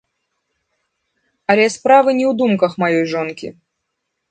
Але справы не ў думках маёй жонкі.